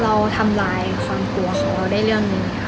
เราทำลายความกลัวของเราได้เรื่องนี้ค่ะ